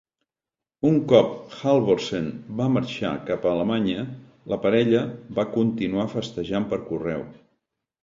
Un cop Halvorsen va marxar cap a Alemanya, la parella va continuar festejant per correu.